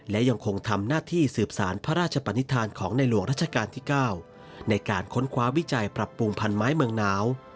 และยังคงทำหน้าที่สืบสารพระราชปนิษฐานของในหลวงราชการที่๙ในการค้นคว้าวิจัยปรับปรุงพันไม้เมืองหนาว